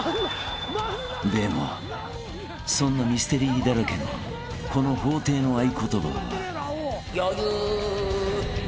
［でもそんなミステリーだらけのこの法廷の合言葉は］